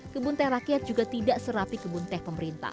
kebun teh rakyat juga tidak serapi kebun teh pemerintah